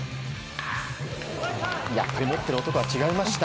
やっぱり持ってる男は違いました。